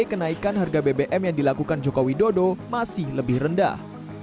kenaikan harga bbm yang dilakukan jokowi dodo masih lebih rendah